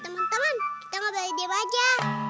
teman teman kita mau beri dewa aja